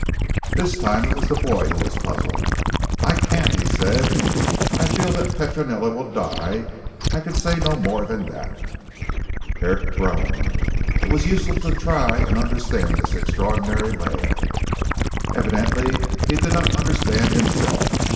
This time it was the boy who was puzzled, "I can't," he said. "I feel that Petronella will die. I can say no more than that." Herrick groaned. It was useless to try and understand this extraordinary lad. Evidently he did not understand himself.